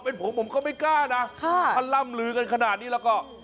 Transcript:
เป็นผมผมก็ไม่กล้านะถ้าล่ำลือกันขนาดนี้แล้วก็